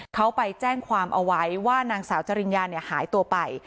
เขาไปแจ้งความเอาไว้ว่านางสาวจริญญาเนี่ยหายตัวไป